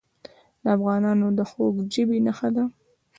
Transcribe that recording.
د افغانانو د خوږ ژبۍ نښه ده.